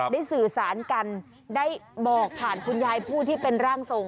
สื่อสารกันได้บอกผ่านคุณยายผู้ที่เป็นร่างทรง